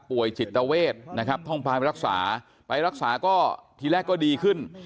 จิตเวทนะครับท่องพาไปรักษาไปรักษาก็ทีแรกก็ดีขึ้น